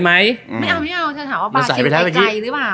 ไม่เอาไม่เอาเธอถามว่าบาร์คิมไปไกลหรือเปล่า